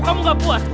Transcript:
kamu gak puas